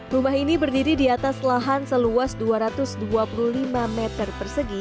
rumah ini berdiri di atas lahan seluas dua ratus dua puluh lima meter persegi